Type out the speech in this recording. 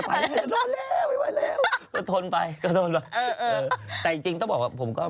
พี่มาร์คเล่าให้ฟังค่ะ